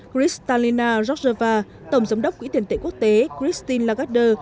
chris stalina rojava tổng giám đốc quỹ tiền tệ quốc tế christine lagarde